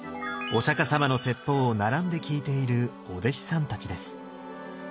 お釈様の説法を並んで聞いているお弟子さんたちです。